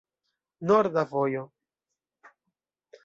Norda vojo.